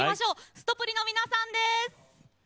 すとぷりの皆さんです。